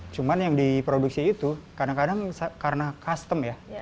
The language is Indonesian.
cuma yang diproduksi itu kadang kadang karena custom ya